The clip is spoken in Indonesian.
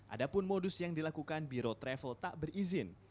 ada pun modus yang dilakukan biro travel tak berizin